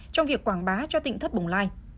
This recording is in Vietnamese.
trong việc quảng bá cho tỉnh thất bồng lai